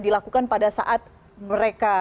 dilakukan pada saat mereka